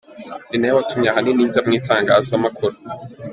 Ni nawe watumye ahanini njya mu itangazamakuru.